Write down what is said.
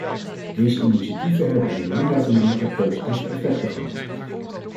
Deze initiatieven hebben in belangrijke mate positieve effecten gehad.